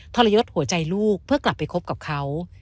ทรยศหัวใจลูกเพื่อกลับไปคบกับเขา